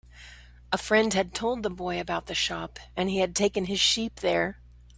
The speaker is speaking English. A friend had told the boy about the shop, and he had taken his sheep there.